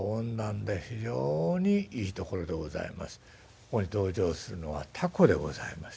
ここに登場するのはタコでございます。